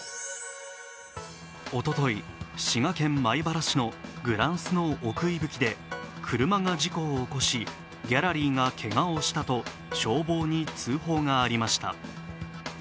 おととい、滋賀県米原市のグランスノー奥伊吹で、車が事故を起こしギャラリーがけがをしたと消防に通報がありました。